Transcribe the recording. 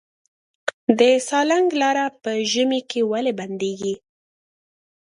د سالنګ لاره په ژمي کې ولې بندیږي؟